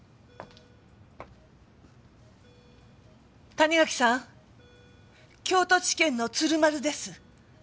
谷垣さん京都地検の鶴丸です。